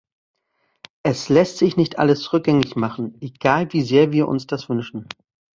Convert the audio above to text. Es lässt sich nicht alles rückgängig machen, egal wie sehr wir uns das wünschen.